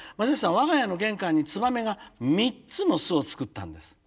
我が家の玄関につばめが３つも巣を作ったんです」。